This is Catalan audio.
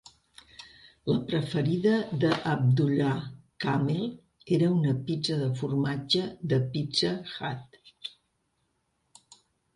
La preferida d'Abdullah Kamel era una pizza de formatge de Pizza Hut.